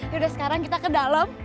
yaudah sekarang kita ke dalam